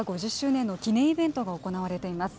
５０年の記念イベントが行われています。